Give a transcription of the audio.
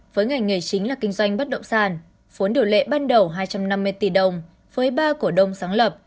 với ngành nghề chính là kinh doanh bất động sản vốn điều lệ ban đầu hai trăm năm mươi tỷ đồng với ba cổ đông sáng lập